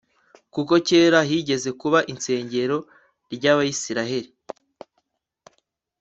kuko kera higeze kuba isengero ry'abayisraheli